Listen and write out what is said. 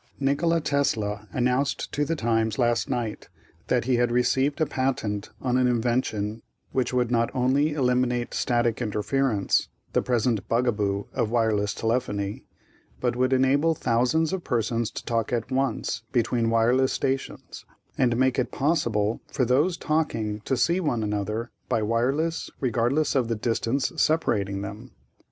Nikola Tesla announced to The Times last night that he had received a patent on an invention which would not only eliminate static interference, the present bugaboo of wireless telephony, but would enable thousands of persons to talk at once between wireless stations and make it possible for those talking to see one another by wireless, regardless of the distance separating them.